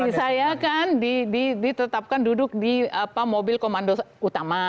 jadi saya kan ditetapkan duduk di mobil komando utama